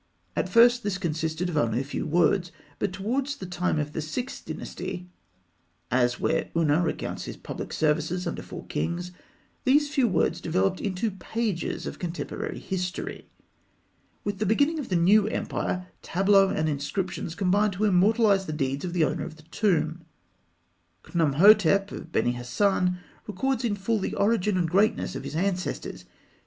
At first, this consisted of only a few words; but towards the time of the Sixth Dynasty (as where Ûna recounts his public services under four kings), these few words developed into pages of contemporary history. With the beginning of the New Empire, tableaux and inscriptions combine to immortalise the deeds of the owner of the tomb. Khnûmhotep of Beni Hasan records in full the origin and greatness of his ancestors.